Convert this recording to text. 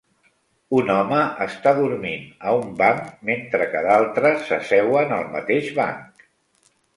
Un home està dormint a un banc mentre que d'altres s'asseuen al mateix banc.